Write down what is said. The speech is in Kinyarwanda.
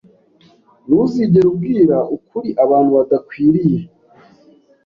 Ntuzigere ubwira ukuri abantu badakwiriye.